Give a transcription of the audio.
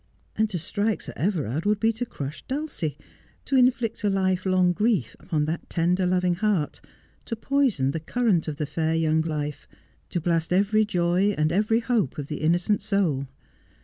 And to strike Sir Everard would be to crush Dulcie, to inflict a life long grief upon that tender, loving heart, to poison the current of the fair young life, to blast every joy and every hope of the innocent soul.